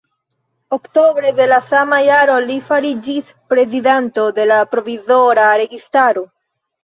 Oktobre de la sama jaro li fariĝis prezidanto de la provizora registaro.